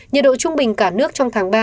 nhiệt độ trung bình cả nước trong tháng ba